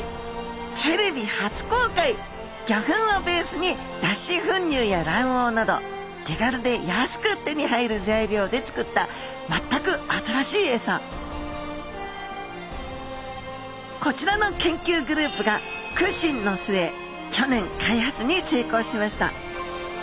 テレビ初公開魚粉をベースに脱脂粉乳や卵黄など手軽で安く手に入る材料で作った全く新しいエサこちらの研究グループが苦心の末去年開発に成功しました。